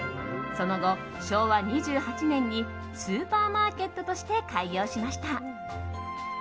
その後、昭和２８年にスーパーマーケットとして開業しました。